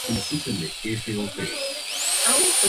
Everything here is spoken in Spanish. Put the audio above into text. Harrisburg es conocida por el accidente de Three Mile Island.